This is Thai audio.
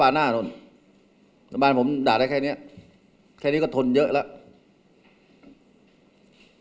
หน้านู่นแต่บ้านผมด่าได้แค่เนี้ยแค่นี้ก็ทนเยอะแล้ว